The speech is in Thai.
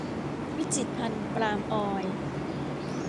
วิจิตรภัณฑ์ปาล์มออยล์